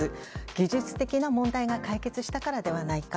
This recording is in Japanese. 技術的な問題が解決したからではないか。